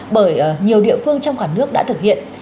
bởi nhiều địa phương trong cả nước đã thực hiện